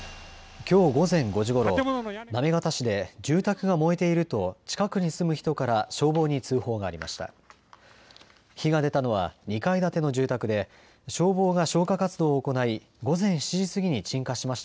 きょう午前５時ごろ、行方市で住宅が燃えていると近くに住む人から消防に通報がありました。